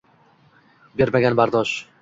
Bermagan bardosh